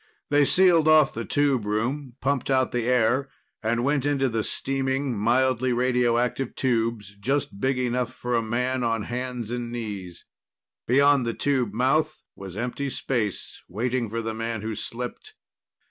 They sealed off the tube room, pumped out the air, and went into the steaming, mildly radioactive tubes, just big enough for a man on hands and knees. Beyond the tube mouth was empty space, waiting for the man who slipped.